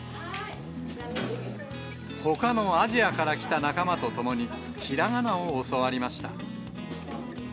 ほかのアジアから来た仲間と共に、ひらがなを教わりました。